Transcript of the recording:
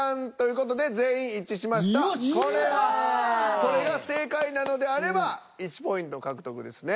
これが正解なのであれば１ポイント獲得ですね。